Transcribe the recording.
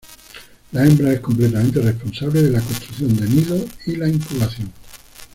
La hembra es completamente responsable de la construcción de nidos y la incubación.